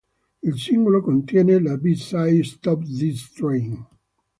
Il singolo contiene la b-side "Stop This Train".